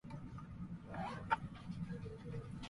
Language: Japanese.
北海道羽幌町